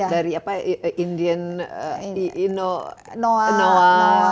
dari apa indian noaa